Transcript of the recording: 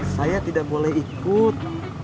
saya tidak boleh ikut